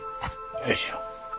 よいしょ。